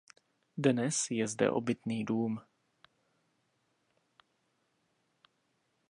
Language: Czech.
Dnes je zde obytný dům.